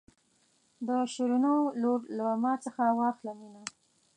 د شیرینو ولور له ما څخه واخله مینه.